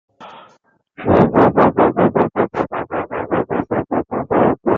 Elle contient six entités.